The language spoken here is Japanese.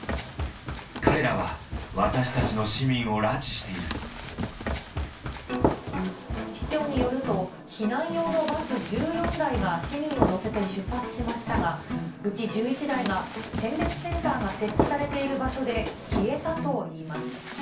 彼らは私たちの市民を拉致してい市長によると、避難用のバス１４台が市民を乗せて出発しましたが、うち１１台が、選別センターが設置されている場所で消えたといいます。